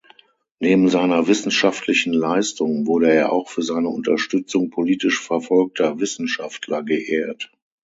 Neben seiner wissenschaftlichen Leistung wurde er auch für seine Unterstützung politisch verfolgter Wissenschaftler geehrt.